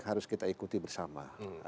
harus kita ikuti bersama